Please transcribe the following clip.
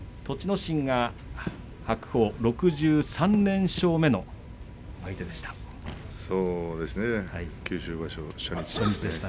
心が白鵬６３連勝目の相手でした。